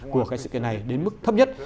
của cái sự kiện này đến mức thấp nhất